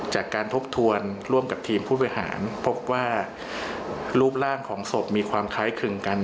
จากการทบทวนร่วมกับทีมผู้บริหารพบว่ารูปร่างของศพมีความคล้ายคลึงกัน